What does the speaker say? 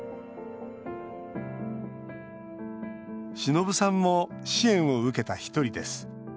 忍さんも支援を受けた一人です。